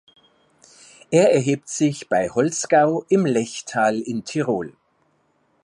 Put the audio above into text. Er erhebt sich bei Holzgau im Lechtal in Tirol.